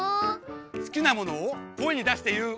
すきなものをこえにだしていう。